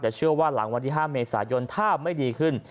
แต่เชื่อว่าหลังวันที่๕เมษายนถ้าไม่ดีขึ้น